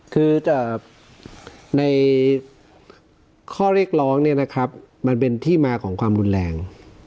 คือแต่ในข้อเรียกร้องเนี่ยนะครับมันเป็นที่มาของความรุนแรง